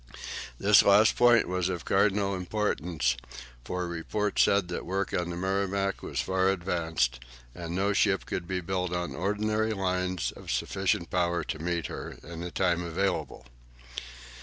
This last point was of cardinal importance, for report said that work on the "Merrimac" was far advanced, and no ship could be built on ordinary lines, of sufficient power to meet her, in the time now available.